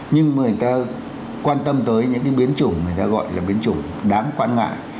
nhưng mà người ta quan tâm tới những cái biến chủng người ta gọi là biến chủng đáng quan ngại